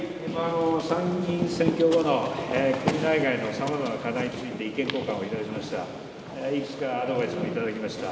参議院選挙後の国内外のさまざまな課題について、意見交換を頂きました。